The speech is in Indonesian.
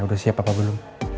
udah siap apa belum